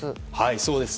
そうです。